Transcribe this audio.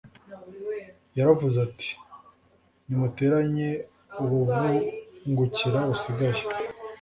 yaravuze ati Nimuteranye ubuvungukira busigaye